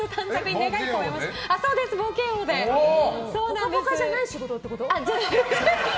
「ぽかぽか」じゃない仕事ってこと？